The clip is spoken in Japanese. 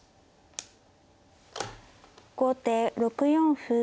後手６四歩。